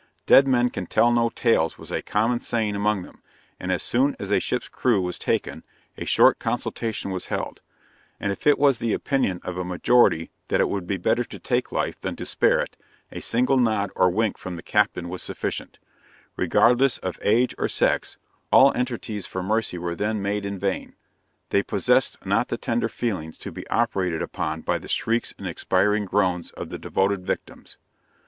"Dead men can tell no tales," was a common saying among them; and as soon as a ship's crew were taken, a short consultation was held; and if it was the opinion of a majority that it would be better to take life than to spare it, a single nod or wink from the captain was sufficient; regardless of age or sex, all entreaties for mercy were then made in vain; they possessed not the tender feelings, to be operated upon by the shrieks and expiring groans of the devoted victims!